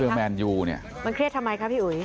เสื้อแมนยูนี่แท้จังเลยอืมมันเครียดทำไมคะพี่อุ๋ย